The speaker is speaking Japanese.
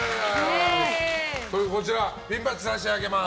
こちら、ピンバッジ差し上げます。